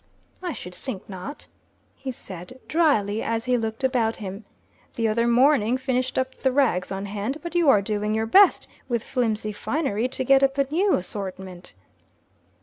"I should think not," he said, drily, as he looked about him. "The other morning finished up the rags on hand but you are doing your best, with flimsy finery, to get up a new assortment."